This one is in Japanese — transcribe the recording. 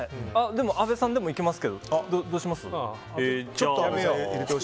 でも、阿部さんでもいけますけどどうします？